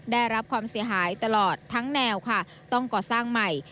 ได้รับความเสียหายตลอดทั้งแนวค่ะต้องก่อสร้างใหม่